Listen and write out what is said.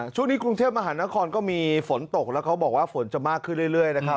ช่วงนี้กรุงเทพมหานครก็มีฝนตกแล้วเขาบอกว่าฝนจะมากขึ้นเรื่อยนะครับ